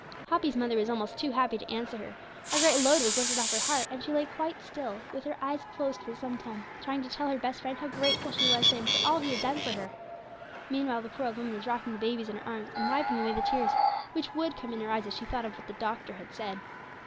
Poppy's mother was almost too happy to answer her; a great load was lifted off her heart, and she lay quite still, with her eyes closed for some time, trying to tell her best Friend how grateful she was to Him for all He had done for her. Meanwhile, the poor old woman was rocking the babies in her arms, and wiping away the tears, which would come in her eyes as she thought of what the doctor had said.